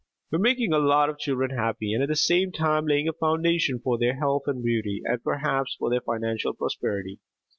We are making a lot of children happy, and at the same time laying a foundation for their health and beauty, and perhaps for their financial prosperity.